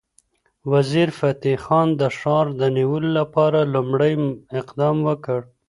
وزیرفتح خان د ښار د نیولو لپاره لومړی اقدام وکړ.